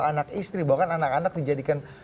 anak istri bahkan anak anak dijadikan